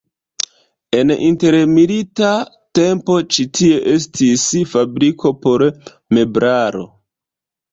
En intermilita tempo ĉi tie estis fabriko por meblaro.